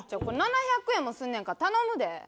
これ７００円もすんねんから頼むで。